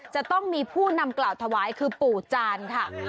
จะต้องมีผู้นำกล่าวถวายคือปู่จานค่ะ